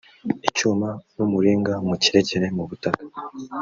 icyuma n umuringa mukirekere mu butaka